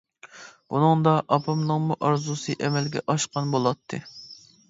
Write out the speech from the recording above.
بۇنىڭدا ئاپامنىڭمۇ ئارزۇسى ئەمەلگە ئاشقان بولاتتى.